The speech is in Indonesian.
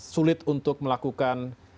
sulit untuk melakukan